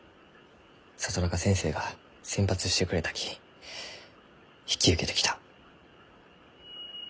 里中先生が選抜してくれたき引き受けてきた。